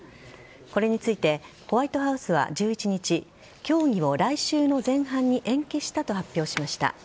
これについてホワイトハウスは１１日協議を来週の前半に延期したと発表しました。